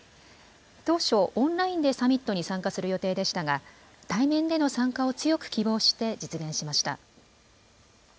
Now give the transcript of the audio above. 当初、オンラインでサミットに参加する予定でしたが、対面での参加を強く希望して、実現しました。